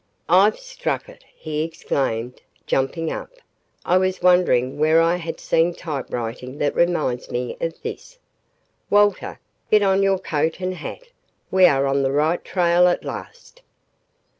"I've struck it!" he exclaimed, jumping up. "I was wondering where I had seen typewriting that reminds me of this. Walter, get on your coat and hat. We are on the right trail at last."